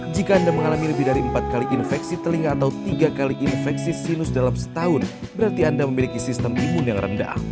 jika anda mengalami lebih dari empat kali infeksi telinga atau tiga kali infeksi sinus dalam setahun berarti anda memiliki sistem imun yang rendah